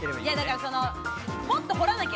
もっと掘らなきゃ。